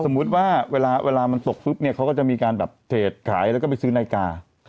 สมมุติว่าเวลามันสกซึบเขาก็จะมีการเทรดขายแล้วก็ไปซื้อนายการ